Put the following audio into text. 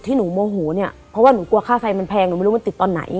หนูโมโหเนี่ยเพราะว่าหนูกลัวค่าไฟมันแพงหนูไม่รู้มันติดตอนไหน